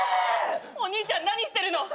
お兄ちゃん何してるの？